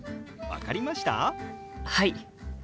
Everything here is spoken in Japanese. はい。